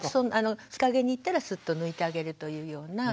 日陰に行ったらスッと抜いてあげるというような。